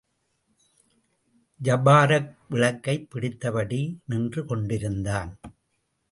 ஜபாரக் விளக்கைப் பிடித்தபடி நின்று கொண்டிருந்தான்.